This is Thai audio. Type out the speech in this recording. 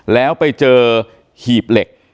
แล้วไปเจอหีบเหล็ก